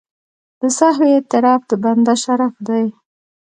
د سهوې اعتراف د بنده شرف دی.